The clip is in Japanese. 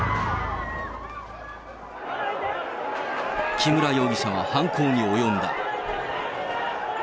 木村容疑者は犯行に及んだ。